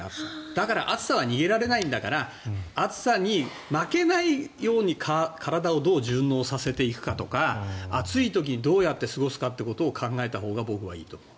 だから暑さは逃げられないんだから暑さに負けないように体をどう順応させていくかとか暑い時にどうやって過ごすかってことを考えたほうが僕はいいと思う。